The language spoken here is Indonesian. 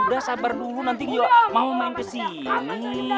udah sabar dulu nanti mau main kesini